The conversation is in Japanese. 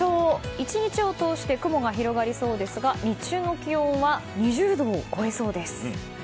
１日を通して雲が広がりそうですが日中の気温は２０度を超えそうです。